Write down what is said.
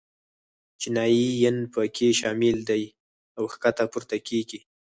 چینایي ین په کې شامل دي او ښکته پورته کېږي.